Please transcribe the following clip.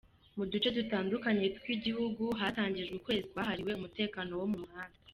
Mu duce dutandukanye tw’igihugu hatangijwe ukwezi kwahariwe umutekano wo mu muhanda.